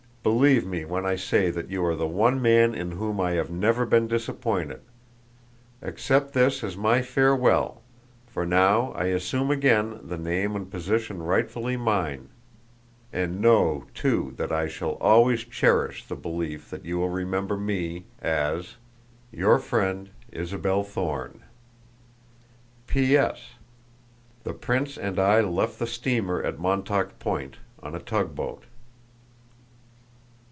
"Believe me when I say that you are one man in whom I have never been disappointed. Accept this as my farewell, for now I assume again the name and position rightfully mine. And know, too, that I shall always cherish the belief that you will remember me as "Your friend, "ISABEL THORNE. "P. S. The prince and I left the steamer at Montauk Point, on a tug boat."